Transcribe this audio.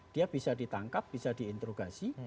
dia bisa ditangkap bisa diinterogasi